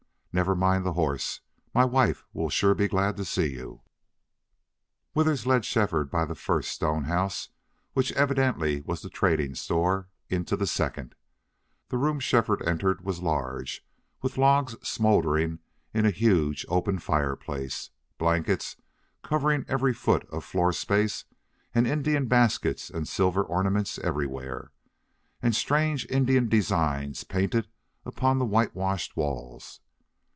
Never mind the horse. My wife will sure be glad to see you." Withers led Shefford by the first stone house, which evidently was the trading store, into the second. The room Shefford entered was large, with logs smoldering in a huge open fireplace, blankets covering every foot of floor space, and Indian baskets and silver ornaments everywhere, and strange Indian designs painted upon the whitewashed walls.